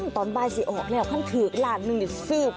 ตอนบ่ายสิออกแล้วขั้นถืออีกลานหนึ่งเดี๋ยวซิ